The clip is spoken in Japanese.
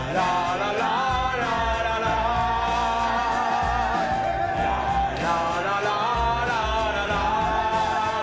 ラララララララ